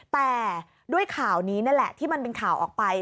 แต่ด้วยข่าวนี้นั่นแหละที่มันเป็นข่าวออกไป